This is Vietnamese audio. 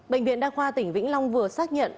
bệnh viện đa khoa tỉnh vĩnh long vừa xác nhận